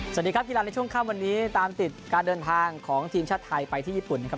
สวัสดีครับกีฬาในช่วงค่ำวันนี้ตามติดการเดินทางของทีมชาติไทยไปที่ญี่ปุ่นนะครับ